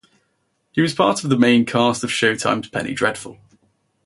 He was part of the main cast of Showtime's Penny Dreadful.